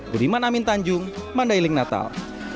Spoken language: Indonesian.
budiman amin tanjung mandailing natal